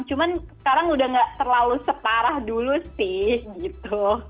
cuman sekarang udah gak terlalu separah dulu sih gitu